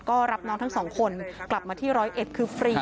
ก็รับน้องทั้งสองคนกลับมาที่ร้อยเอ็ดคือฟรี